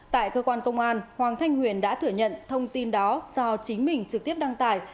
tại cơ quan công an hoàng thanh huyền đã thừa nhận thông tin đó do chính mình trực tiếp đăng tải